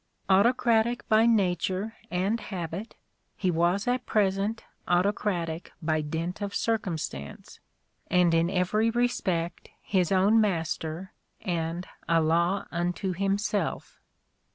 Autocratic by nature and habit, he was at present autocratic by dint of circumstance : and in every respect his own master, and a law unto himself.